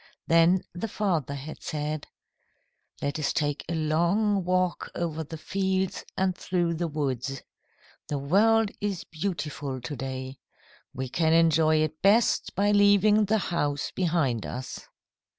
Then the father had said: "Let us take a long walk over the fields and through the woods. The world is beautiful to day. We can enjoy it best by leaving the house behind us."